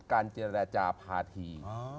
การเจรจาภาษี